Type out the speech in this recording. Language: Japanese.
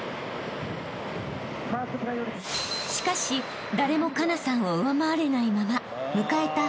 ［しかし誰も佳那さんを上回れないまま迎えた］